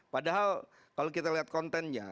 padahal kalau kita lihat kontennya